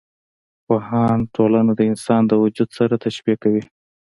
پوهان ټولنه د انسان د وجود سره تشبي کوي.